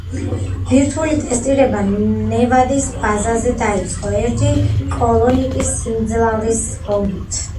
ბირთვული ტესტირება ნევადას ბაზაზე დაიწყო ერთი კილოტონის სიმძლავრის ბომბით.